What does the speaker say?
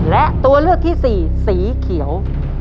และตัวเลือกที่สี่สีเขียว